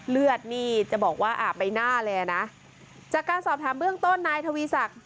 เลือดนี่จะบอกว่าอาบใบหน้าเลยอ่ะนะจากการสอบถามเบื้องต้นนายทวีศักดิ